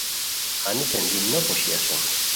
ہنیسین دی نو پوشی اسوم